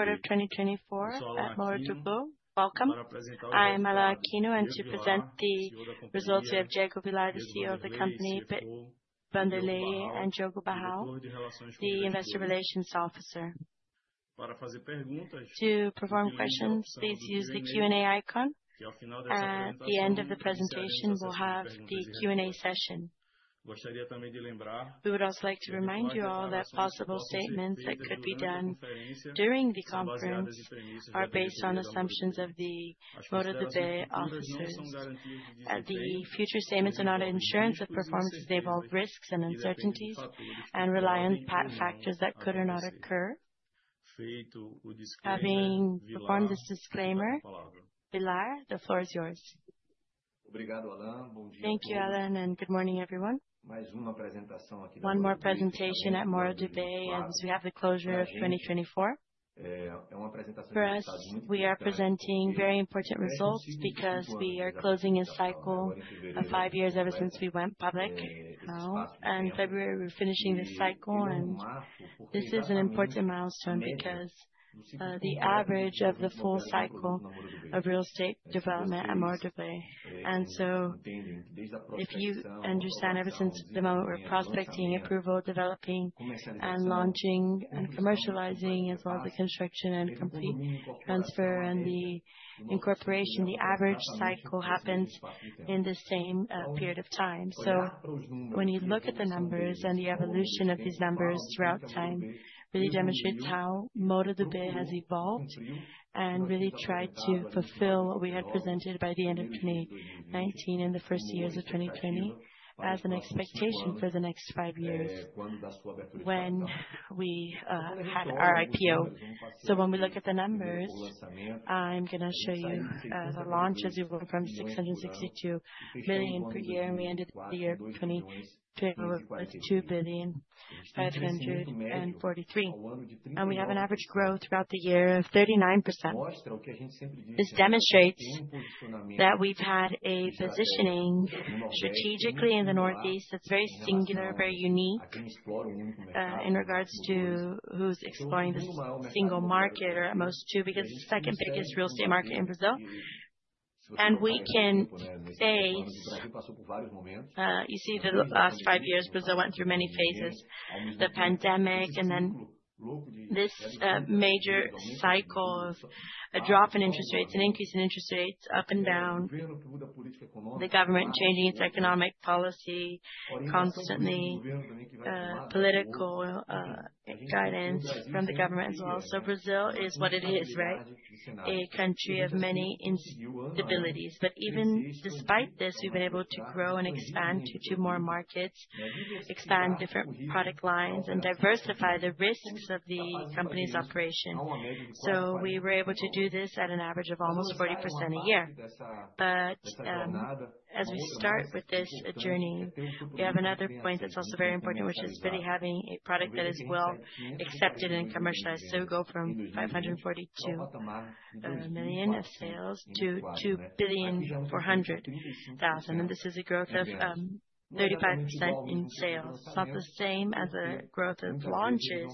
1Q 2024 at Moura Dubeux. Welcome. I am Alan Aquino, and to present the results, we have Diego Villar, the CEO of the company, Diego Freire and Diogo Barral, the Investor Relations Officer. To perform questions, please use the Q&A icon. At the end of the presentation, we'll have the Q&A session. We would also like to remind you all that possible statements that could be done during the conference are based on assumptions of the Moura Dubeux officers. The future statements are not an assurance of performance. They involve risks and uncertainties and rely on factors that could or not occur. Having performed this disclaimer, Villar, the floor is yours. Thank you, Alan, and good morning, everyone. 1 more presentation at Moura Dubeux as we have the closure of 2024. For us, we are presenting very important results because we are closing a cycle of 5 years ever since we went public. In February, we're finishing this cycle, and this is an important milestone because the average of the full cycle of real estate development at Moura Dubeux. If you understand, ever since the moment we're prospecting, approval, developing and launching and commercializing, as well as the construction and complete transfer and the incorporation, the average cycle happens in the same period of time. When you look at the numbers and the evolution of these numbers throughout time, really demonstrates how Moura Dubeux has evolved and really tried to fulfill what we had presented by the end of 2019 and the first years of 2020 as an expectation for the next 5 years when we had our IPO. When we look at the numbers, I'm gonna show you the launches. We went from 662 million per year, and we ended the year 2024 with 2.543 billion. We have an average growth throughout the year of 39%. This demonstrates that we've had a positioning strategically in the northeast that's very singular, very unique in regards to who's exploring this single market or at most 2, because it's the second biggest real estate market in Brazil. You see the last 5 years, Brazil went through many phases, the pandemic and then this major cycle of a drop in interest rates, an increase in interest rates up and down, the government changing its economic policy constantly, political guidance from the government as well. Brazil is what it is, right? A country of many instabilities. Even despite this, we've been able to grow and expand into 2 more markets, expand different product lines and diversify the risks of the company's operation. We were able to do this at an average of almost 40% a year. As we start with this journey, we have another point that's also very important, which is really having a product that is well accepted and commercialized. We go from 542 million of sales to 2 billion 400 thousand. This is a growth of 35% in sales. It's not the same as the growth of launches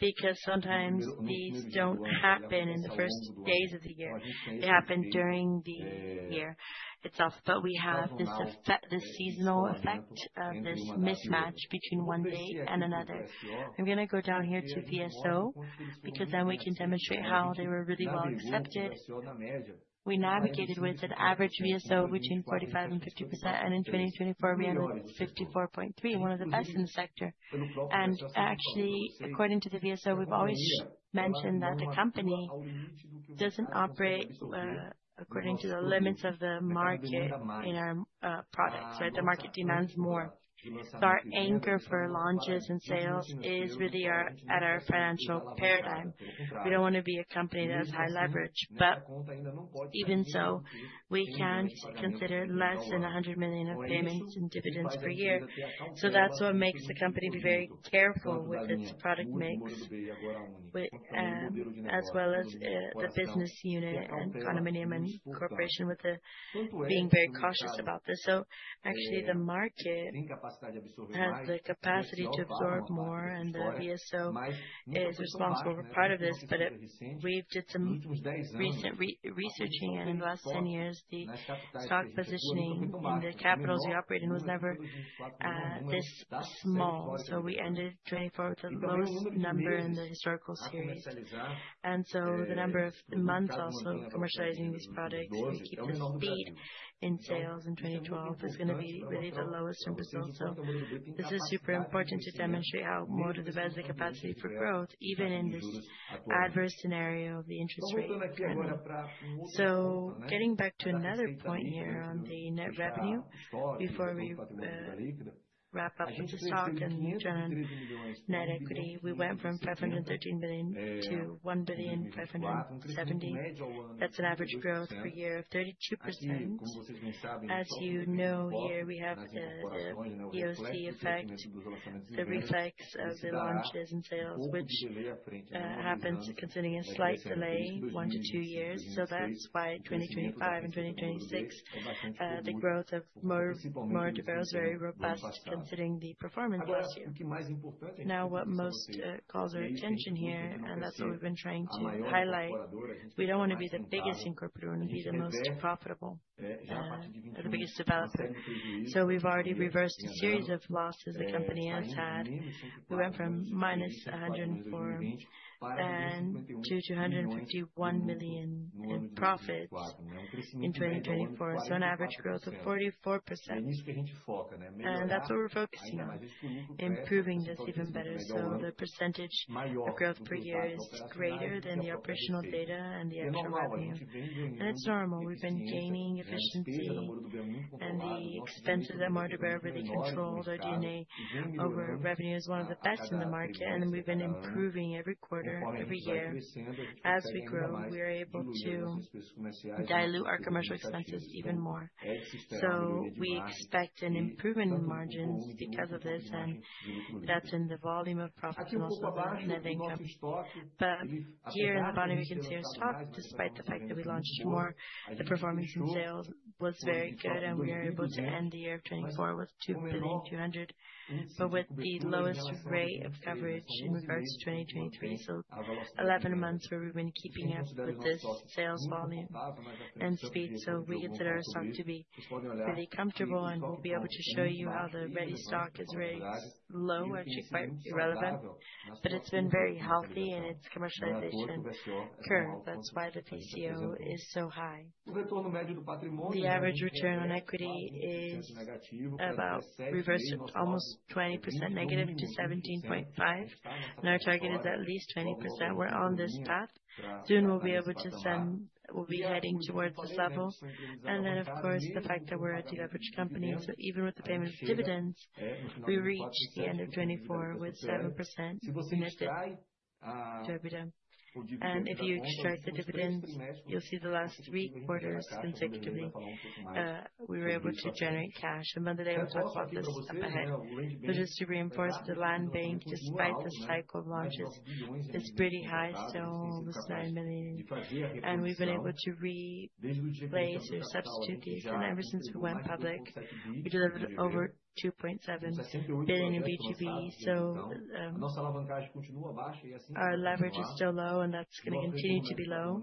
because sometimes these don't happen in the first days of the year. They happen during the year itself. We have this effect, this seasonal effect of this mismatch between one date and another. I'm gonna go down here to VSO because then we can demonstrate how they were really well accepted. We navigated with an average VSO between 45% and 50%, and in 2024 we ended with 54.3%, one of the best in the sector. Actually, according to the VSO, we've always mentioned that the company doesn't operate according to the limits of the market in our products, right? The market demands more. Our anchor for launches and sales is really our financial paradigm. We don't wanna be a company that has high leverage. Even so, we can't consider less than 100 million of payments in dividends per year. That's what makes the company be very careful with its product mix with, as well as, the business unit and condominium and corporation being very cautious about this. Actually the market has the capacity to absorb more and the VSO is responsible for part of this. We did some recent research, and in the last 10 years, the stock positioning in the capitals we operate in was never this small. We ended 2024 with the lowest number in the historical series. The number of months also commercializing these products to keep the speed in sales in 2012 is gonna be really the lowest in Brazil. This is super important to demonstrate how Moura Dubeux has the capacity for growth even in this adverse scenario of the interest rate environment. Getting back to another point here on the net revenue before we wrap up with the stock and net equity. We went from 513 million to 1.57 billion. That's an average growth per year of 32%. As you know, here we have the POC effect, the reflection of the launches and sales, which happened considering a slight delay 1-2 years. That's why 2025 and 2026, the growth of Moura Dubeux is very robust considering the performance last year. Now, what most calls our attention here, and that's what we've been trying to highlight, we don't wanna be the biggest incorporator, we wanna be the most profitable, the biggest developer. We've already reversed a series of losses the company has had. We went from -104 million, then to 251 million in profits in 2024. An average growth of 44%. That's what we're focusing on, improving this even better. The percentage of growth per year is greater than the operational data and the actual revenue. It's normal. We've been gaining efficiency and the expenses at MRV are really controlled. Our G&A over revenue is one of the best in the market, and we've been improving every quarter, every year. As we grow, we are able to dilute our commercial expenses even more. We expect an improvement in margins because of this, and that's in the volume of profits also that I think of. Here in the bottom, we can see our stock, despite the fact that we launched more, the performance in sales was very good, and we are able to end the year of 2024 with 2.2 billion. With the lowest rate of coverage in regards to 2023. 11 months where we've been keeping up with this sales volume and speed. We consider our stock to be really comfortable, and we'll be able to show you how the ready stock is really low, actually quite irrelevant. It's been very healthy and its commercialization curve. That's why the TCO is so high. The average ROE is almost -20% to -17.5%. Our target is at least 20%. We're on this path. Soon we'll be heading towards this level. Of course, the fact that we're a deleveraged company. Even with the payment of dividends, we reach the end of 2024 with 7% net debt to revenue. If you chart the dividend, you'll see the last 3 quarters consecutively, we were able to generate cash. Monday, I will talk about this up ahead. Just to reinforce the land bank, despite the cycle of launches, is pretty high, so almost 9 billion. We've been able to replace or substitute these. Ever since we went public, we delivered over 2.7 billion in B2B. Our leverage is still low, and that's gonna continue to be low.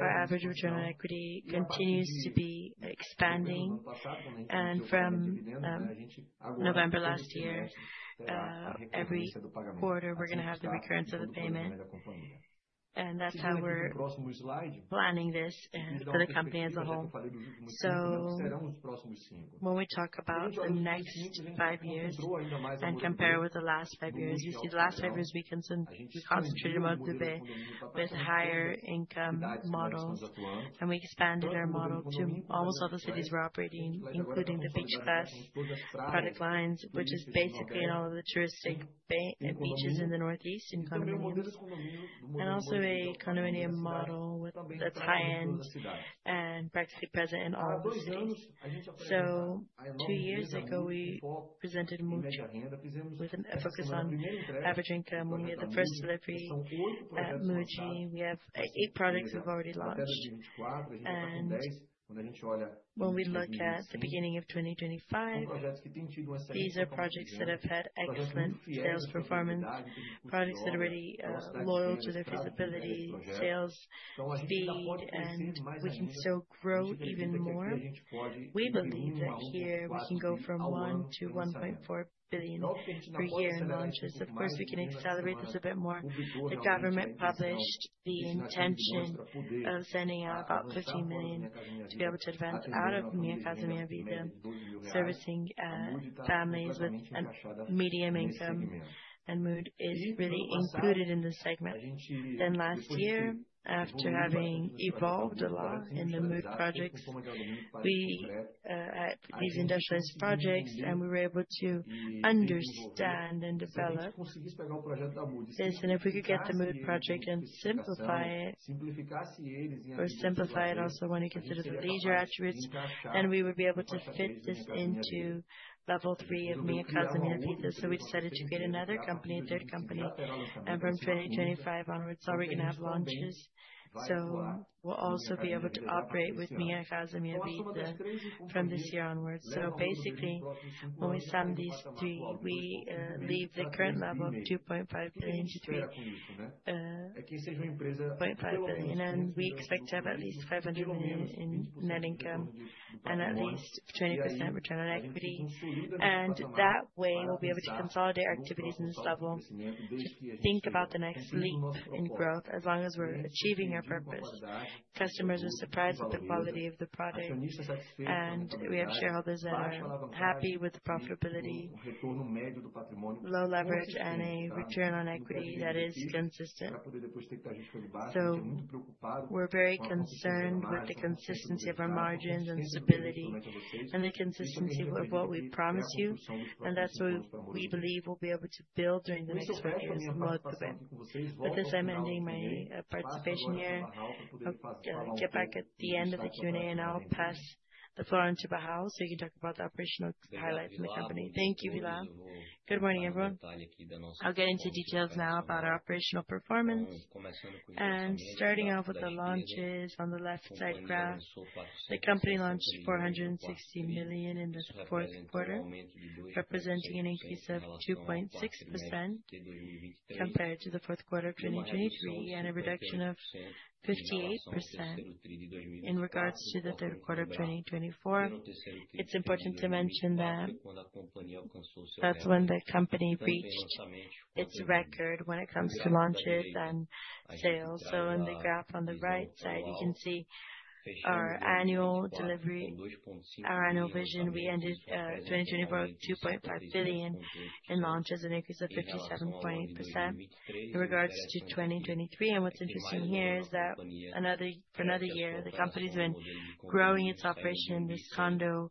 Our average return on equity continues to be expanding. From November last year, every quarter we're gonna have the recurrence of the payment. That's how we're planning this and for the company as a whole. When we talk about the next 5 years and compare with the last 5 years, you see the last 5 years we concentrated on MRV with higher income models, and we expanded our model to almost all the cities we're operating, including the Beach Class product lines, which is basically in all of the touristic beaches in the northeast in condominiums. Also a condominium model that's high-end and practically present in all the cities. 2 years ago, we presented Mood with a focus on average income. We made the first delivery at Mood. We have 8 products we've already launched. When we look at the beginning of 2025, these are projects that have had excellent sales performance. Products that are really loyal to their feasibility, sales speed, and we can still grow even more. We believe that here we can go from 1 billion to 1.4 billion per year in launches. Of course, we can accelerate this a bit more. The government published the intention of sending out about 15 million to be able to advance out of Minha Casa, Minha Vida, servicing families with a medium income. Mood is really included in this segment. Last year, after having evolved a lot in the Mood projects, we at these industrialized projects, and we were able to understand and develop this. If we could get the Mood project and simplify it also when you consider the leisure attributes, then we would be able to fit this into level 3 of Minha Casa, Minha Vida. We decided to create another company, a third company. From 2025 onwards, we are gonna have launches. We'll also be able to operate with Minha Casa, Minha Vida from this year onwards. Basically, when we sum these 3, we leave the current level of 2.5 billion-3.5 billion. We expect to have at least 500 million in net income and at least 20% return on equity. That way, we'll be able to consolidate our activities in this level to think about the next leap in growth as long as we're achieving our purpose. Customers are surprised with the quality of the product. We have shareholders that are happy with the profitability, low leverage, and a return on equity that is consistent. We're very concerned with the consistency of our margins and stability and the consistency with what we promise you. That's what we believe we'll be able to build during the next 5 years with MRV. With this, I'm ending my participation here. I'll get back at the end of the Q&A, and I'll pass the floor on to Diogo Barral so he can talk about the operational highlights in the company. Thank you, Villar. Good morning, everyone. I'll get into details now about our operational performance. Starting off with the launches on the left side graph, the company launched 460 million in the fourth quarter, representing an increase of 2.6% compared to the fourth quarter of 2023 and a reduction of 58% in regards to the third quarter of 2024. It's important to mention that that's when the company reached its record when it comes to launches and sales. In the graph on the right side, you can see our annual vision. We ended 2024 with 2.5 billion in launches, an increase of 57.8% in regards to 2023. What's interesting here is that for another year, the company's been growing its operation in this condo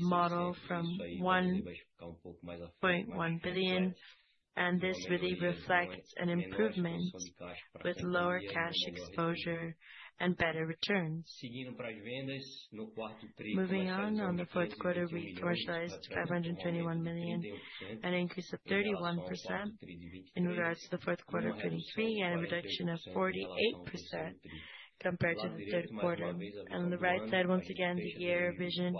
model from 1.1 billion. This really reflects an improvement with lower cash exposure and better returns. Moving on, in the fourth quarter, we commercialized 521 million, an increase of 31% in regards to the fourth quarter of 2023, and a reduction of 48% compared to the third quarter. On the right side, once again, the VGV,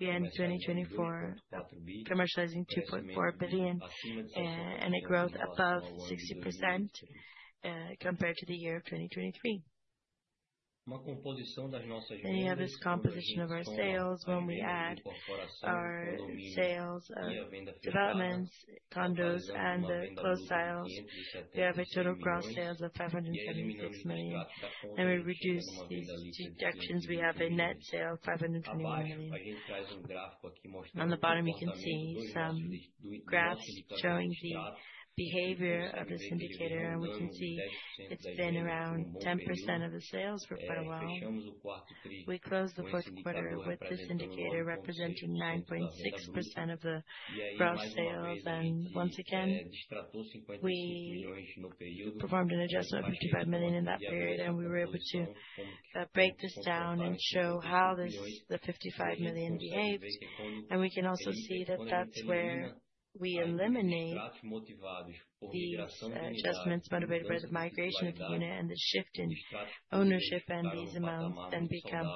the end of 2024 commercializing 2.4 billion, and a growth above 60%, compared to the year 2023. You have this composition of our sales when we add our sales of developments, condos, and the closed sales. We have a total gross sales of 576 million. When we reduce these deductions, we have a net sale of 520 million. On the bottom, you can see some graphs showing the behavior of this indicator, and we can see it's been around 10% of the sales for quite a while. We closed the fourth quarter with this indicator representing 9.6% of the gross sales. Once again, we performed an adjustment of 55 million in that period, and we were able to break this down and show how this, the 55 million, behaved. We can also see that that's where we eliminate these adjustments motivated by the migration of the unit and the shift in ownership and these amounts then become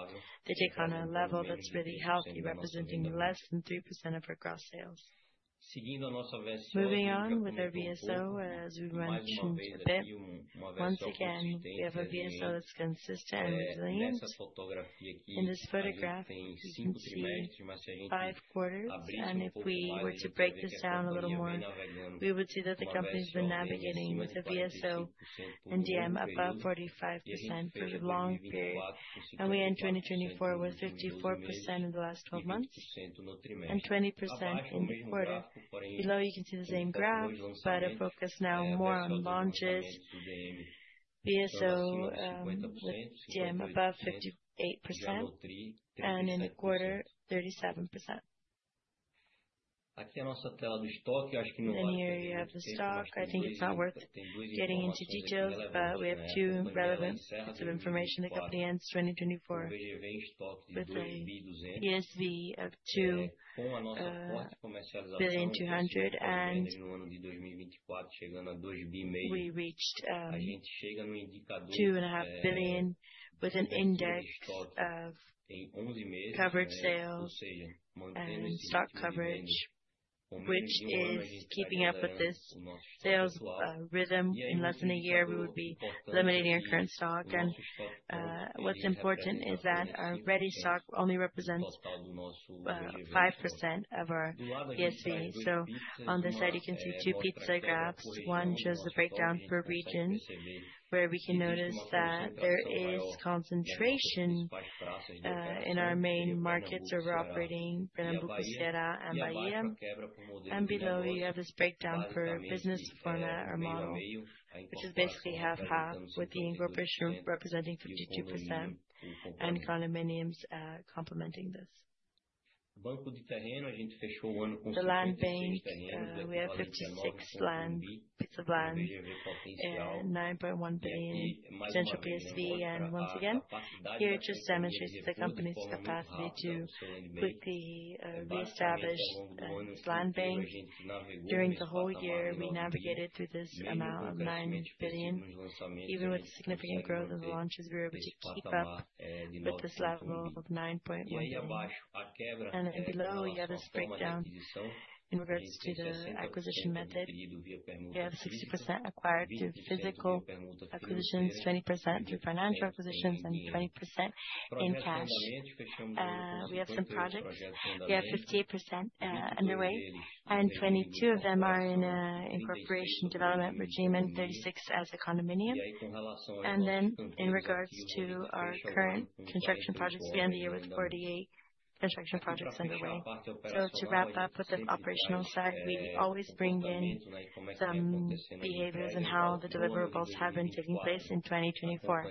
taken on a level that's really healthy, representing less than 3% of our gross sales. Moving on with our VSO, as we mentioned a bit. Once again, we have a VSO that's consistent and resilient. In this photograph, you can see 5 quarters, and if we were to break this down a little more, we would see that the company's been navigating the VSO in DM above 45% for a long period. We end 2024 with 54% in the last twelve months and 20% in the quarter. Below, you can see the same graph, but a focus now more on launches. VSO with DM above 58% and in the quarter, 37%. Here you have the stock. I think it's not worth getting into detail, but we have 2 relevant bits of information. The company ends 2024 with a VGV of 2.2 billion. We reached 2.5 billion with an index of covered sales and stock coverage, which is keeping up with this sales rhythm. In less than a year, we would be eliminating our current stock. What's important is that our ready stock only represents 5% of our VGV. On this side, you can see 2 pie charts. 1 shows the breakdown per region, where we can notice that there is concentration in our main markets where we're operating Pernambuco, Paraíba and Bahia. Below, we have this breakdown per business format or model, which is basically half-half, with the incorporation representing 52% and condominiums complementing this. The land bank, we have 56 plots of land and 9.1 billion PSV. Once again, here it just demonstrates the company's capacity to quickly reestablish a land bank. During the whole year, we navigated through this amount of 9 billion. Even with significant growth of launches, we were able to keep up with this level of 9.1 billion. Then below, we have this breakdown in regards to the acquisition method. We have 60% acquired through physical acquisitions, 20% through financial acquisitions, and 20% in cash. We have some projects. We have 58% underway, and 22 of them are in incorporation development regime, and 36 as a condominium. In regards to our current construction projects, we end the year with 48 construction projects underway. To wrap up with the operational side, we always bring in some behaviors and how the deliverables have been taking place in 2024.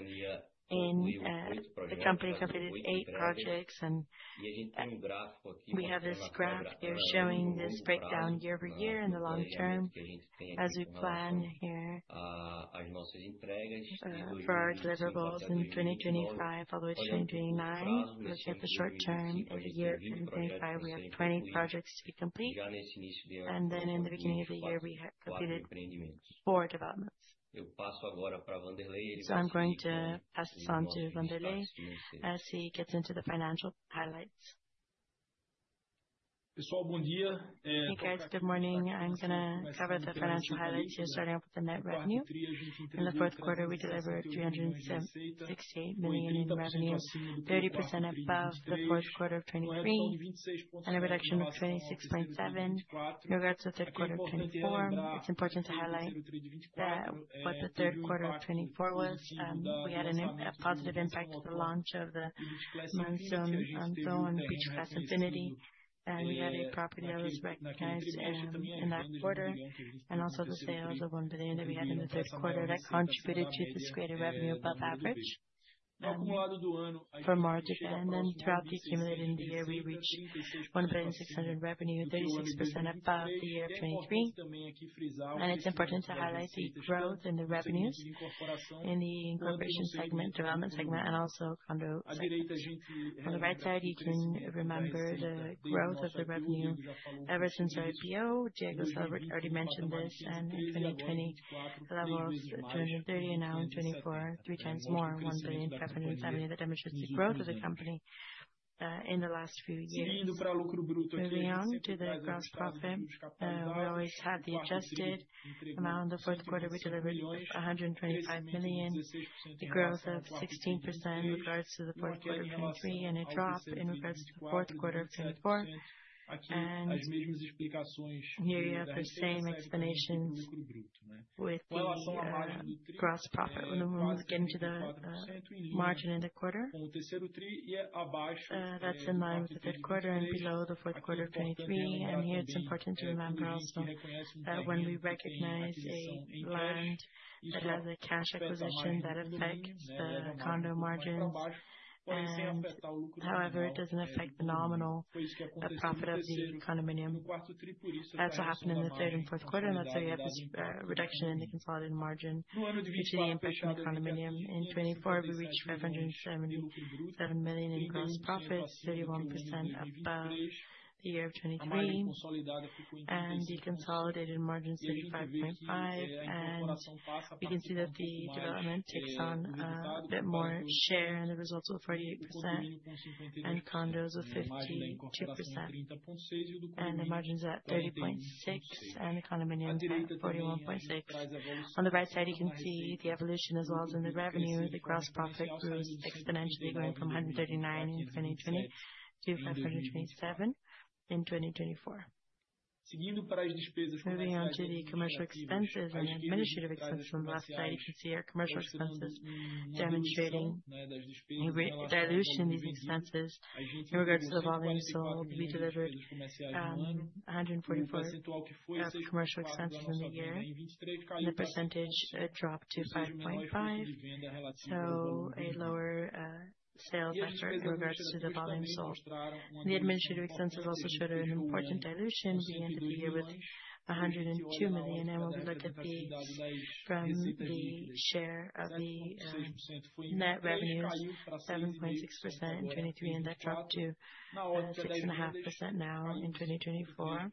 The company completed 8 projects, and we have this graph here showing this breakdown year-over-year in the long term as we plan here for our deliverables in 2025 all the way to 2029. We look at the short term of the year 2025, we have 20 projects to be complete. In the beginning of the year, we have completed 4 developments. I'm going to pass this on to Diego Freire as he gets into the financial highlights. Hey, guys. Good morning. I'm gonna cover the financial highlights here, starting off with the net revenue. In the fourth quarter, we delivered 368 million in revenues, 30% above the fourth quarter of 2023 and a reduction of 26.7% in regards to third quarter of 2024. It's important to highlight what the third quarter of 2024 was. We had a positive impact to the launch of the Mansão ATDE Beach Class Infinity, and we had a property that was recognized in that quarter, and also the sales of 1 billion that we had in the third quarter that contributed to this greater revenue above average for March. Throughout the accumulated year, we reached 1.6 billion revenue, 36% above the year of 2023. It's important to highlight the growth in the revenues in the incorporation segment, development segment, and also condo segment. On the right side, you can remember the growth of the revenue ever since our IPO. Diego Villar already mentioned this in 2020, the level of 230, and now in 2024, 3 times more, 1.77 billion. That demonstrates the growth of the company in the last few years. Moving on to the gross profit. We always have the adjusted amount. In the fourth quarter, we delivered 125 million. A growth of 16% in regards to the fourth quarter of 2023, and a drop in regards to fourth quarter of 2024. Here you have the same explanations with the gross profit. When we move again to the margin in the quarter. That's in line with the third quarter and below the fourth quarter of 2023. Here, it's important to remember also that when we recognize a land that has a cash acquisition, that affects the condo margins. However, it doesn't affect the nominal profit of the condominium. That's what happened in the third and fourth quarter, and that's why you have this reduction in the consolidated margin, which is an impact on the condominium. In 2024, we reached 577 million in gross profits, 31% of the year of 2023. The consolidated margin is 35.5%. We can see that the development takes on a bit more share, and the results were 48%, and condos were 52%. The margin's at 30.6, and the condominium's at 40.6. On the right side, you can see the evolution as well as in the revenue. The gross profit grows exponentially, going from 139 in 2020 to 527 in 2024. Moving on to the commercial expenses and the administrative expenses. On the last slide, you can see our commercial expenses demonstrating a great dilution in expenses in regards to the volume sold. We delivered a hundred and 44 of commercial expenses in the year. The percentage, it dropped to 5.5. A lower sales factor in regards to the volume sold. The administrative expenses also showed an important dilution. We end the year with 102 million. When we look at from the share of the net revenues, 7.6% in 2023, and that dropped to 6.5% now in 2024.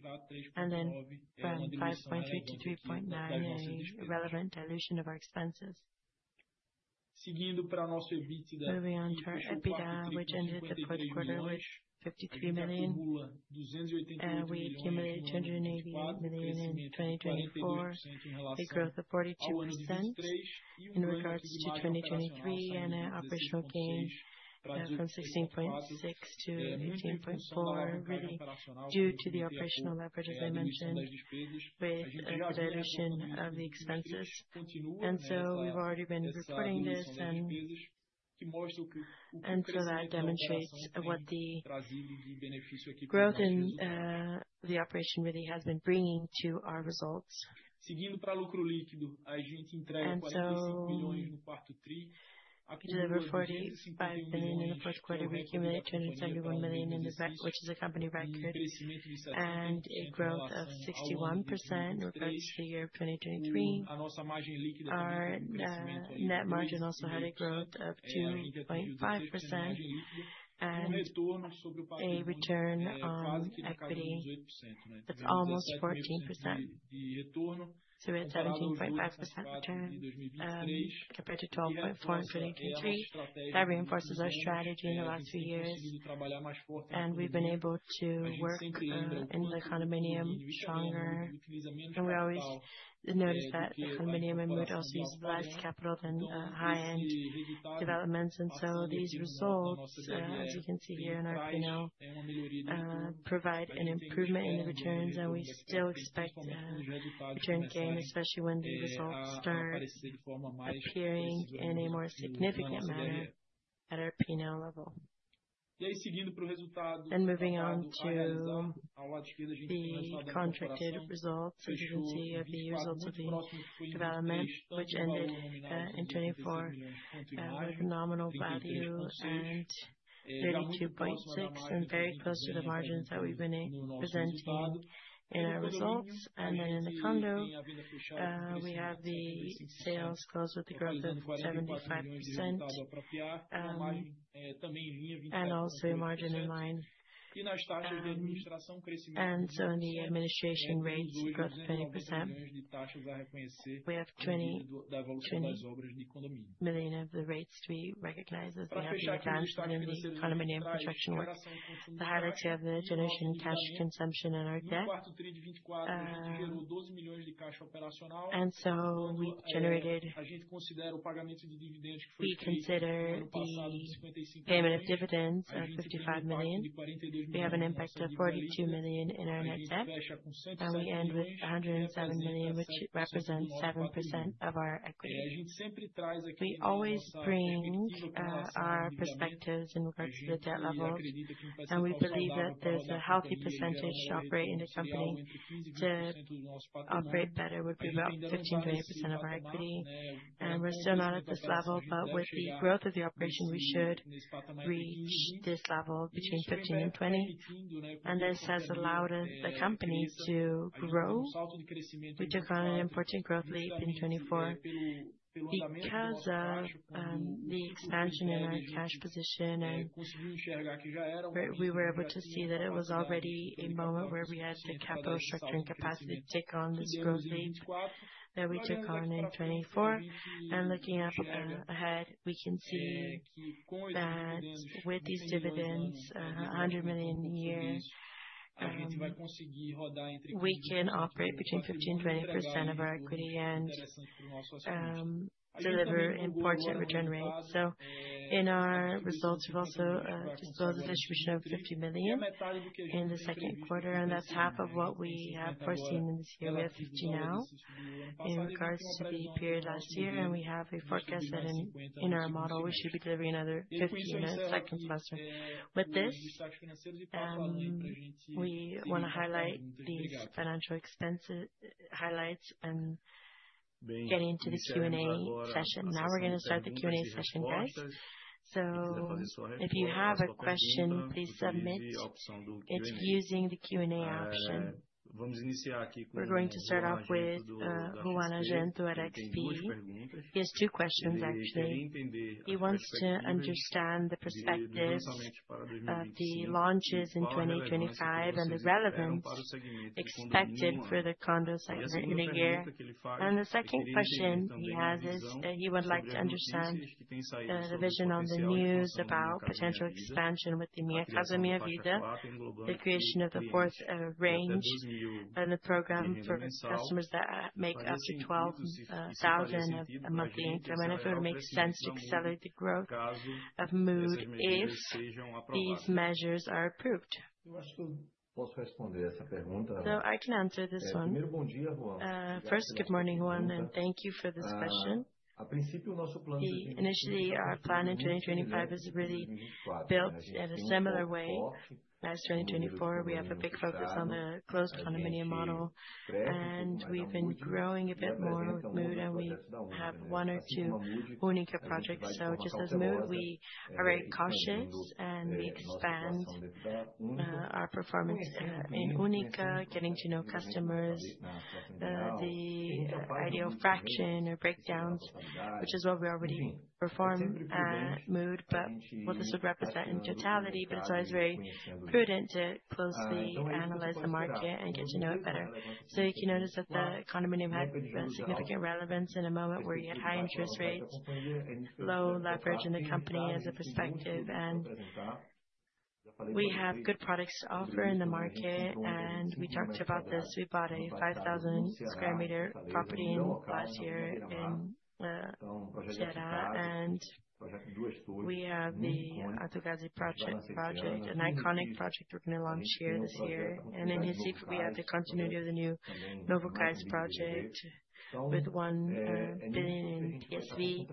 Then from 5.3% to 3.9%, a relevant dilution of our expenses. Moving on to our EBITDA, which ended the fourth quarter with 53 million. We accumulated 280 million in 2024. A growth of 42% in regards to 2023. Our operational gain from 16.6% to 18.4%, really due to the operational leverage that I mentioned with the dilution of the expenses. We've already been reporting this, and that demonstrates what the growth in the operation really has been bringing to our results. Delivered 45 million in the fourth quarter. We accumulated 271 million in the VGV, which is a company record. A growth of 61% in regards to the year 2023. Our net margin also had a growth of 2.5% and a return on equity that's almost 14%. We had a 17.5% return compared to 12.4% in 2023. That reinforces our strategy in the last few years, and we've been able to work in the condominium stronger. We always notice that the condominium environment also uses less capital than high-end developments. These results, as you can see here in our P&L, provide an improvement in the returns. We still expect a return gain, especially when the results start appearing in a more significant manner at our P&L level. Moving on to the contracted results. As you can see, the results of the development, which ended in 2024, with a nominal value and 32.6% very close to the margins that we've been presenting in our results. In the condo, we have the sales closure with a growth of 75%. Also a margin in line. In the administration rates, we grew up to 20%. We have 20 million of the rates we recognize as the EBITDA in the condominium construction works. The highlights, we have cash generation and reduction in our debt. We consider the payment of dividends of 55 million. We have an impact of 42 million in our net debt. We end with 107 million, which represents 7% of our equity. We always bring our perspectives in regards to the debt levels, and we believe that there's a healthy percentage to operate in the company. To operate better would be about 15%-20% of our equity. We're still not at this level, but with the growth of the operation, we should reach this level between 15% and 20%. This has allowed us, the company, to grow. We took on an important growth leap in 2024 because of the expansion in our cash position. We were able to see that it was already a moment where we had the capital structure and capacity to take on this growth leap that we took on in 2024. Looking at the ahead. We can see that with these dividends, 100 million a year, we can operate between 15%-20% of our equity and deliver important return rates. In our results, we've also disclosed the distribution of 50 million in the second quarter, and that's half of what we have foreseen in this year. We have 15 million now in regards to the period last year, and we have a forecast that in our model, we should be delivering another 15 million in the second semester. With this, we wanna highlight these financial highlights and get into this Q&A session. Now we're gonna start the Q&A session, guys. If you have a question, please submit it using the Q&A option. We're going to start off with Juan Argento at XP. He has 2 questions, actually. He wants to understand the perspectives of the launches in 2025 and the relevance expected for the condo segment in the year. The second question he has is, he would like to understand, the vision on the news about potential expansion with the Minha Casa, Minha Vida. The creation of the fourth, range and the program for customers that make up to 12 thousand in monthly income. If it makes sense to accelerate the growth of Mood if these measures are approved. I can answer this one. First, good morning, Juan, and thank you for this question. Initially, our plan in 2025 is really built in a similar way as 2024. We have a big focus on the closed condominium model, and we've been growing a bit more with Mood, and we have 1 or 2 Única projects. Just as Mood, we are very cautious, and we expand our performance in Única, getting to know customers, the ideal fraction or breakdowns, which is what we already perform at Mood. What this would represent in totality, but it's always very prudent to closely analyze the market and get to know it better. You can notice that the condominium had a significant relevance in a moment where you have high interest rates, low leverage in the company as a perspective, and we have good products to offer in the market. We talked about this. We bought a 5,000 square meter property in last year in Ceará, and we have the Autogazi Project, an iconic project we're gonna launch here this year. In Recife, we have the continuity of the new Novocais project with 1 billion in PSV.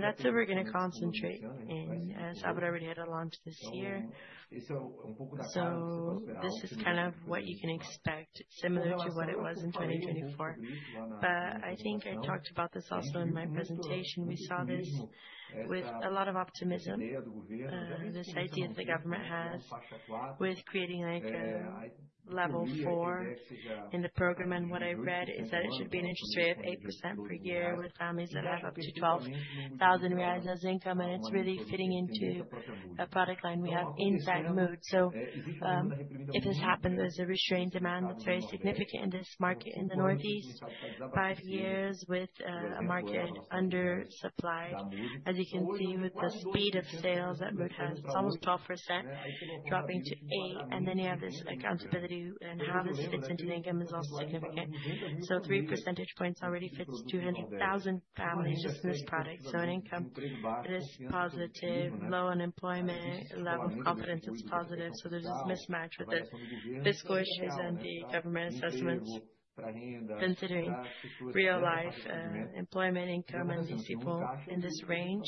That's where we're gonna concentrate in as Hábito already had a launch this year. This is kind of what you can expect, similar to what it was in 2024. I think I talked about this also in my presentation. We saw this with a lot of optimism, this idea the government has with creating like a level 4 in the program. What I read is that it should be an interest rate of 8% per year with families that have up to 12,000 reais as income. It's really fitting into a product line we have inside Mood. If this happened, there's a restrained demand that's very significant in this market in the Northeast. 5 years with a market undersupplied. As you can see, with the speed of sales that Mood has, it's almost 12% dropping to 8. Then you have this accountability and how this fits into the income is also significant. 3 percentage points already fits 200,000 families just in this product. In income, it is positive. Low unemployment. Level of confidence is positive. There's this mismatch with the fiscal choices and the government assessments considering real life, employment income among these people in this range.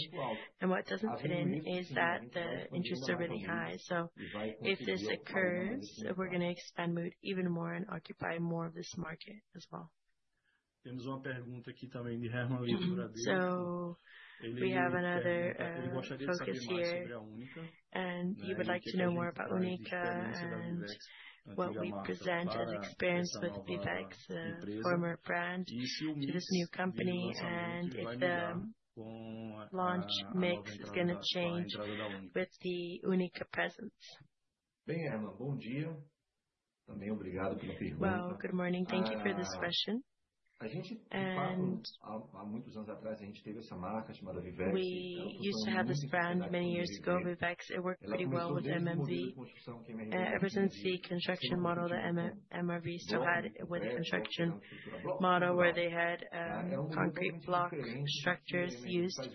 What doesn't fit in is that the interests are really high. If this occurs, we're gonna expand Mood even more and occupy more of this market as well. We have another focus here, and he would like to know more about Única and what we present as experience with Vivex, former brand to this new company, and if the launch mix is gonna change with the Única presence. Well, good morning. Thank you for this question. We used to have this brand many years ago, Vivex. It worked pretty well with MRV. Ever since the construction model that MRV still had with the construction model where they had concrete block structures used.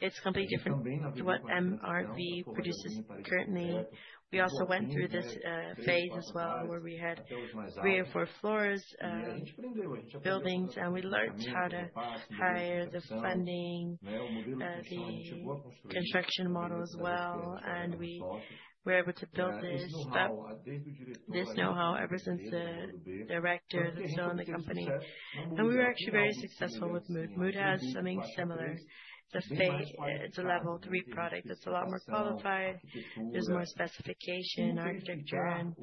It's completely different to what MRV produces currently. We also went through this phase as well, where we had 3 or 4 floors buildings, and we learned how to hire the funding the construction model as well, and we were able to build this. This know-how ever since the director that's still in the company. We were actually very successful with Mood. Mood has something similar. The phase, it's a level 3 product that's a lot more qualified. There's more specification, architecture, and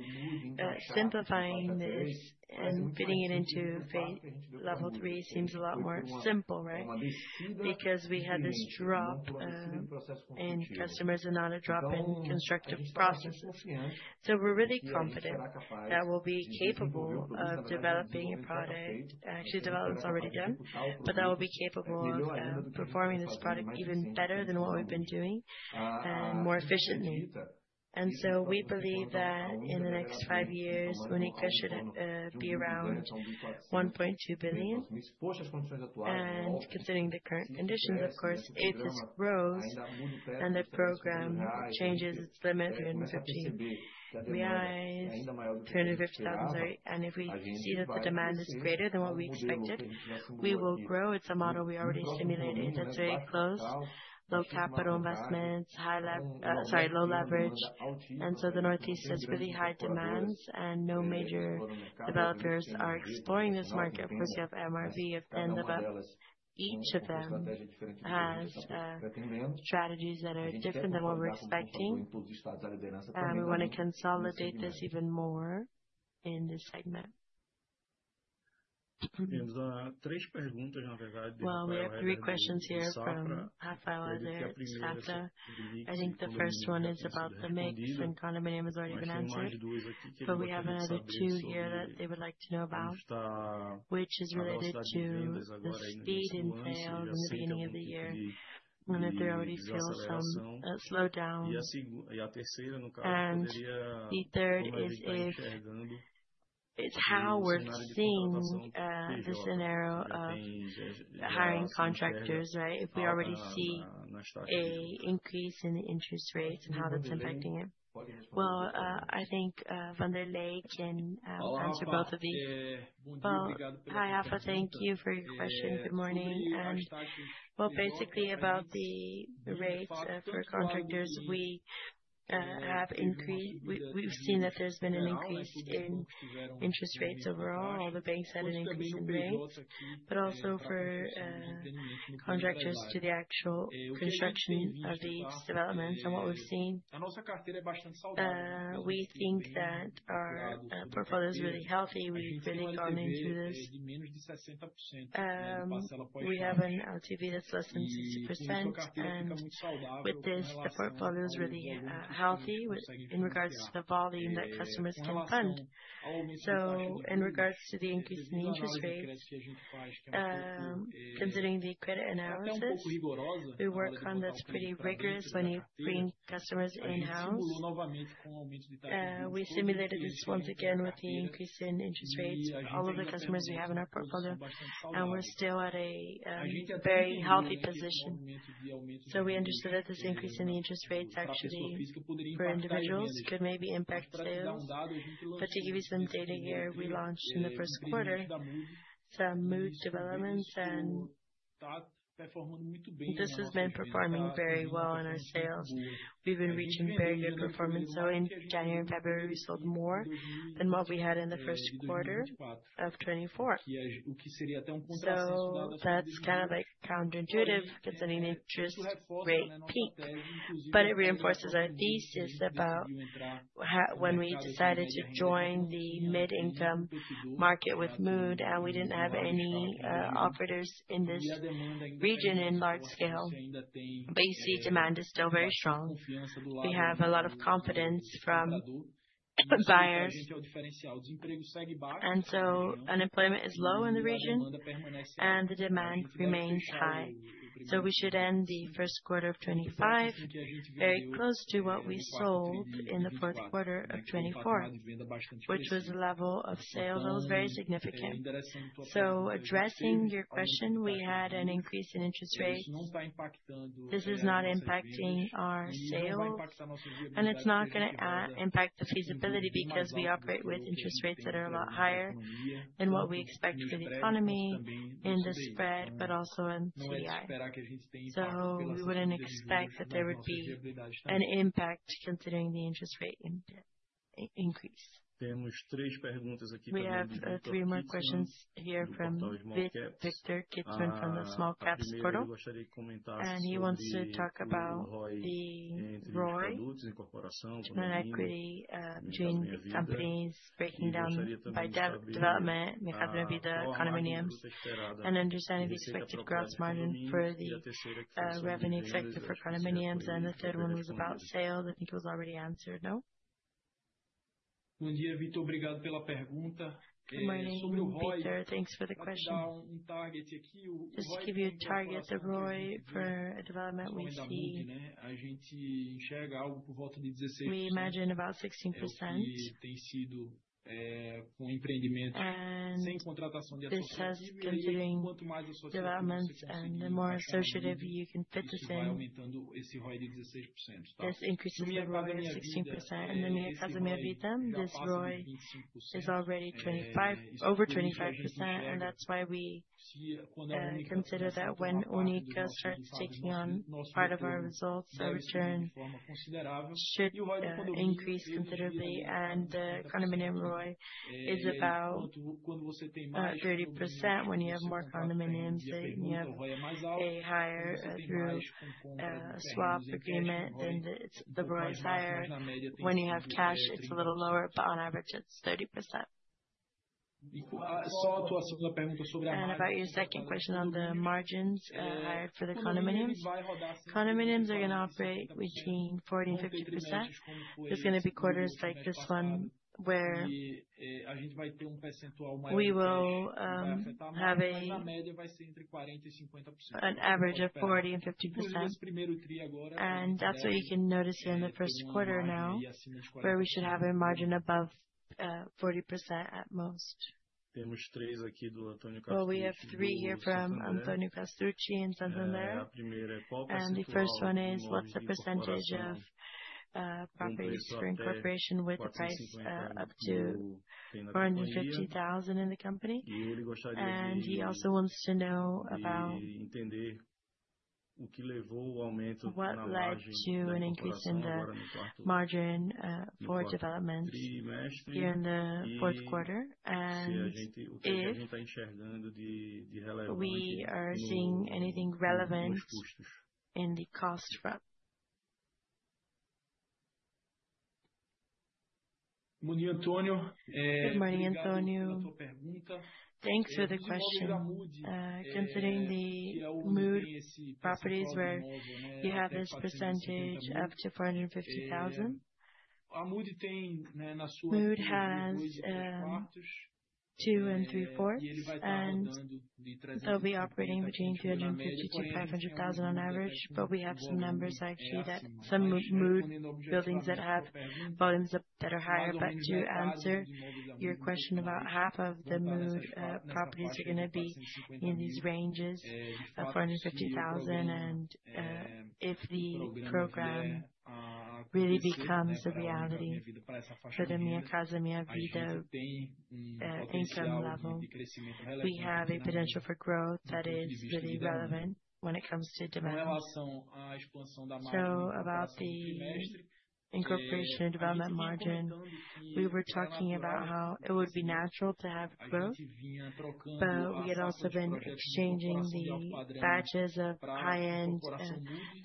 simplifying this and fitting it into phase level 3 seems a lot more simple, right? Because we have this drop in customers and not a drop in construction processes. We're really confident that we'll be capable of developing a product. Actually, development's already done, but that we'll be capable of performing this product even better than what we've been doing and more efficiently. We believe that in the next 5 years, Única should be around 1.2 billion. Considering the current conditions, of course, if this grows, then the program changes its limit in BRL 15 to 35,000. If we see that the demand is greater than what we expected, we will grow. It's a model we already simulated. It's very close. Low capital investments, low leverage. The Northeast has really high demands, and no major developers are exploring this market. Of course, you have MRV and each of them has strategies that are different than what we're expecting. We wanna consolidate this even more in this segment. We have 3 questions here from Rafael Rehder at Safra. I think the first one is about the mix, and Condomínio has already been answered. We have another 2 here that they would like to know about, which is related to the speed in sales in the beginning of the year, whether they already feel some slowdown. The third is how we're seeing the scenario of hiring contractors, right? If we already see an increase in the interest rates and how that's impacting it. I think Vanderlei can answer both of these. Well, hi Rafael Rehder, thank you for your question. Good morning. Well, basically, about the rates for contractors. We've seen that there's been an increase in interest rates overall, the bank setting increasing rates. Also for contractors to the actual construction of these developments from what we've seen. We think that our portfolio is really healthy. We've really gone into this. We have an LTV that's less than 60%. With this, the portfolio is really healthy in regards to the volume that customers can fund. In regards to the increase in interest rates, considering the credit analysis we work on that's pretty rigorous when you bring customers in-house. We simulated this once again with the increase in interest rates. All of the customers we have in our portfolio, and we're still at a very healthy position. We understood that this increase in interest rates actually for individuals could maybe impact sales. Particularly since data here we launched in the first quarter some Mood developments, and this has been performing very well in our sales. We've been reaching very good performance. In January and February, we sold more than what we had in the first quarter of 2024. That's kind of, like, counterintuitive considering interest rate peak. It reinforces our thesis about when we decided to join the mid-income market with Mood, and we didn't have any operators in this region in large scale. You see demand is still very strong. We have a lot of confidence from buyers. Unemployment is low in the region, and the demand remains high. We should end the first quarter of 2025 very close to what we sold in the fourth quarter of 2024, which was a level of sales that was very significant. Addressing your question, we had an increase in interest rates. This is not impacting our sales, and it's not gonna impact the feasibility because we operate with interest rates that are a lot higher than what we expect for the economy in the spread but also in CDI. We wouldn't expect that there would be an impact considering the interest rate increase. We have 3 more questions here from Victor Catenacci from the Small Caps portal. He wants to talk about the ROI on an equity between companies breaking down by development, Minha Casa, Minha Vida condominiums, and understanding the expected gross margin for the revenue effect for condominiums. The third one was about sales. I think it was already answered, no? Good morning, Victor. Thanks for the question. Just to give you a target ROI for a development like Mood. We imagine about 16%. This has considering development and the more associative you can put this in, this increases the ROI by 16%. Then Minha Casa, Minha Vida, this ROI is already over 25%, and that's why we consider that when Única starts taking on part of our results, our return should increase considerably. The condominium ROI is about 30% when you have more condominiums, so you have a higher through swap agreement, then the ROI is higher. When you have cash, it's a little lower, but on average, it's 30%. About your second question on the margins higher for the condominiums. Condominiums are gonna operate between 40% and 50%. There's gonna be quarters like this one where we will have an average of 40% and 50%. That's what you can notice here in the first quarter now, where we should have a margin above 40% at most. Well, we have 3 here from Antonio Castrucci in Santander. The first one is, what's the percentage of properties for incorporation with a price up to 450,000 in the company? He also wants to know about what led to an increase in the margin for development here in the fourth quarter. If we are seeing anything relevant in the cost front. Good morning, Antonio. Thanks for the question. Considering the Mood properties where you have this percentage up to 450,000. Mood has 2.75, and they'll be operating between 350,000-500,000 on average. We have some numbers actually that some Mood buildings that have volumes that are higher. To answer your question, about half of the Mood properties are gonna be in these ranges of 450,000. If the program really becomes a reality for the Minha Casa, Minha Vida income level, we have a potential for growth that is really relevant when it comes to demands. About the incorporation development margin, we were talking about how it would be natural to have growth. We had also been exchanging the batches of high-end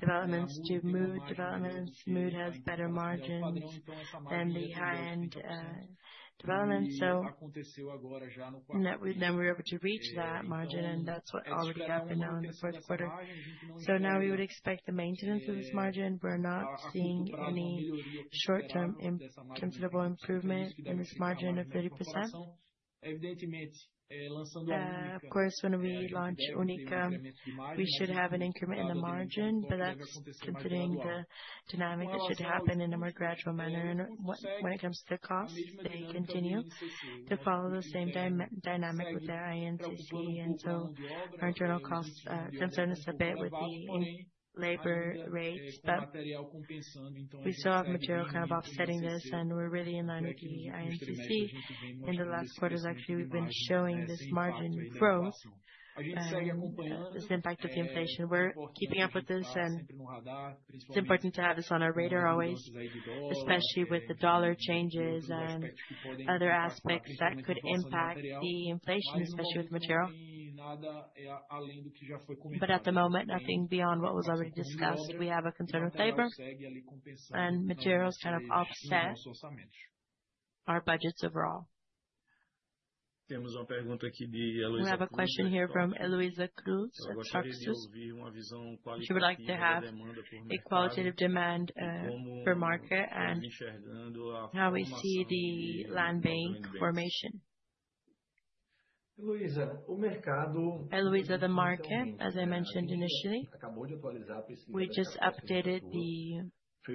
developments to Mood developments. Mood has better margins than the high-end developments. Now we're able to reach that margin, and that's what already happened now in the fourth quarter. Now we would expect the maintenance of this margin. We're not seeing any short term considerable improvement in this margin of 30%. Of course, when we launch Única, we should have an increment in the margin. That's considering the dynamic that should happen in a more gradual manner. When it comes to the costs, they continue to follow the same dynamic with the INCC. Our internal costs concern us a bit with the labor rates, but we still have material kind of offsetting this, and we're really in line with the INCC. In the last quarters actually, we've been showing this margin growth, as the impact of the inflation. We're keeping up with this, and it's important to have this on our radar always, especially with the dollar changes and other aspects that could impact the inflation, especially with material. But at the moment, nothing beyond what was already discussed. We have a concern with labor and materials kind of offset our budgets overall. We have a question here from Eloísa Cruz at Bank of America. She would like to have a qualitative demand per market and how we see the land bank formation. Eloísa, the market, as I mentioned initially, we just updated the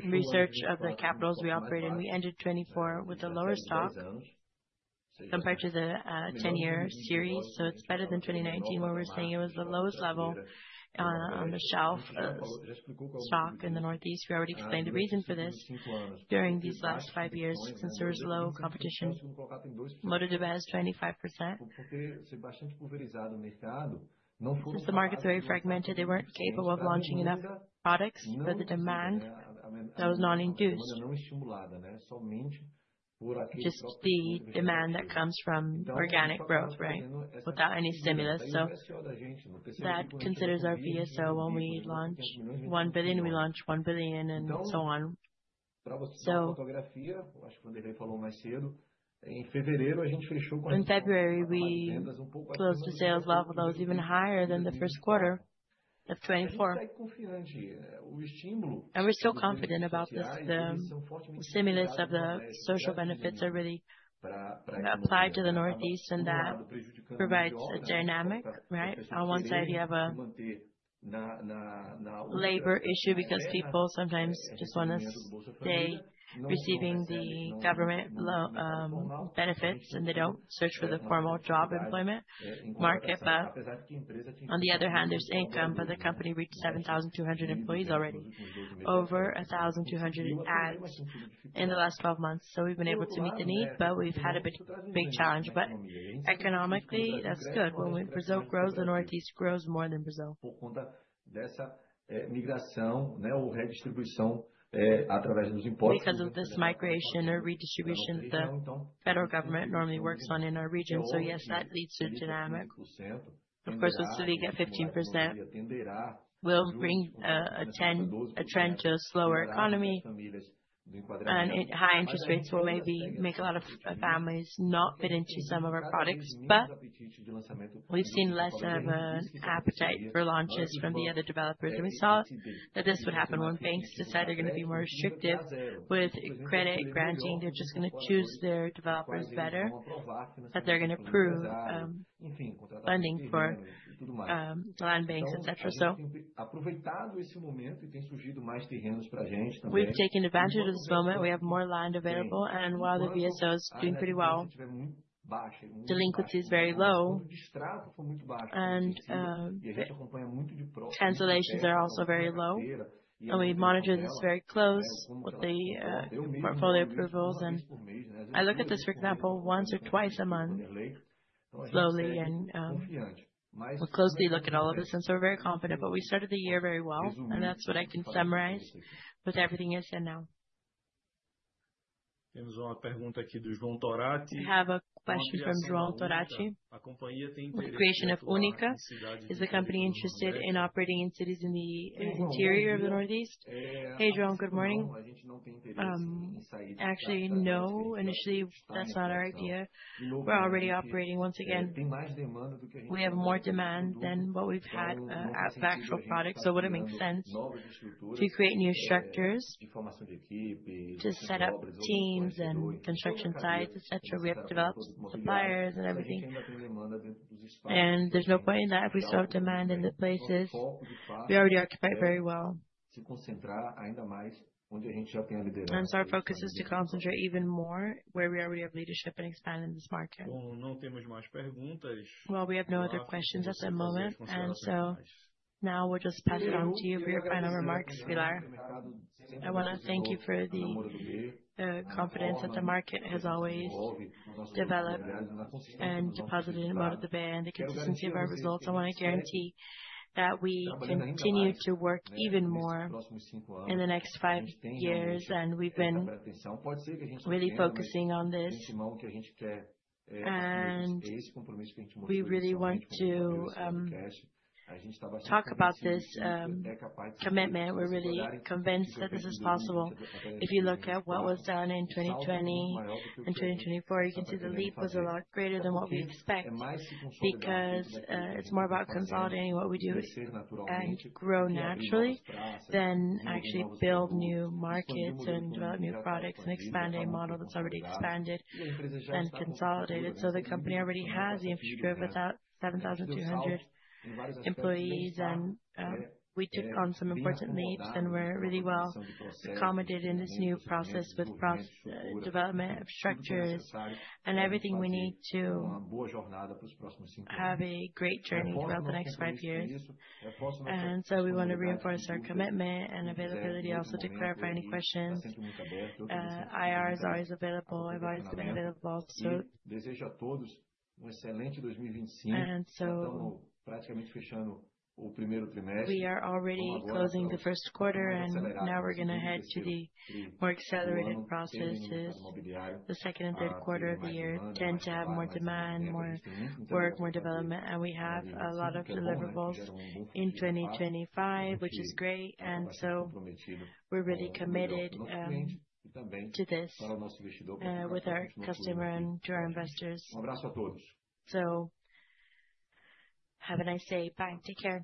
research of the capitals we operate in. We ended 2024 with a lower stock compared to the 10-year series. It's better than 2019, where we're saying it was the lowest level on the shortage of stock in the northeast. We already explained the reason for this during these last 5 years, since there was low competition. Mood developed 25%. Since the market is very fragmented, they weren't capable of launching enough products for the demand that was non-induced. Just the demand that comes from organic growth, right? Without any stimulus. That considers our VSO. When we launch 1 billion, we launch 1 billion, and so on. In February, we closed the sales level that was even higher than the first quarter of 2024. We're still confident about this. The stimulus of the social benefits are really applied to the northeast, and that provides a dynamic, right? On 1 side, you have a labor issue because people sometimes just want to stay receiving the government benefits, and they don't search for the formal job employment market. On the other hand, there's income. The company reached 7,200 employees already, over 1,200 adds in the last 12 months. We've been able to meet the need, but we've had a big challenge. Economically, that's good. When Brazil grows, the northeast grows more than Brazil. Because of this migration or redistribution the federal government normally works on in our region. Yes, that leads to dynamics. Of course, the Selic at 15% will bring a trend to a slower economy. High interest rates will maybe make a lot of families not fit into some of our products. We've seen less of an appetite for launches from the other developers. We saw that this would happen when banks decide they're gonna be more restrictive with credit granting. They're just gonna choose their developers better, that they're gonna approve funding for land banks, et cetera. We've taken advantage of this moment. We have more land available, and while the VSO is doing pretty well, delinquency is very low and cancellations are also very low. We monitor this very closely with the portfolio approvals. I look at this, for example, once or twice a month, slowly and we'll closely look at all of this. We're very confident. We started the year very well, and that's what I can summarize with everything you said now. We have a question from João Torati on the creation of Única. Is the company interested in operating in cities in the interior of the Northeast? Hey, João. Good morning. Actually, no. Initially, that's not our idea. We're already operating. Once again, we have more demand than what we've had of actual product, so would it make sense to create new structures, to set up teams and construction sites, et cetera? We have to develop suppliers and everything, and there's no point in that if we still have demand in the places we already occupy very well. Our focus is to concentrate even more where we already have leadership and expand in this market. Well, we have no other questions at the moment, and so now we'll just pass it on to you for your final remarks, Villar. I wanna thank you for the confidence that the market has always developed and deposited in Moura Dubeux and the consistency of our results. I wanna guarantee that we continue to work even more in the next 5 years, and we've been really focusing on this. We really want to talk about this commitment. We're really convinced that this is possible. If you look at what was done in 2020 and 2024, you can see the leap was a lot greater than what we expect because it's more about consolidating what we do and grow naturally than actually build new markets and develop new products and expand a model that's already expanded and consolidated. The company already has the infrastructure with that 7,200 employees and we took on some important leads and we're really well accommodated in this new process with development of structures and everything we need to have a great journey throughout the next 5 years. We wanna reinforce our commitment and availability also to clarify any questions. IR is always available. I've always been available, so. We are already closing the first quarter, and now we're gonna head to the more accelerated processes. The second and third quarter of the year tend to have more demand, more work, more development. We have a lot of deliverables in 2025, which is great. We're really committed to this with our customer and to our investors. Have a nice day. Bye. Take care.